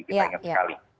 kita ingat sekali